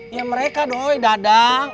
ya mereka doi dadang